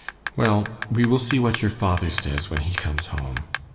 "Well, we will see what your father says when he comes home."